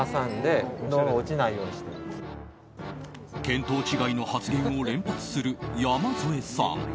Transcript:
見当違いの発言を連発する山添さん。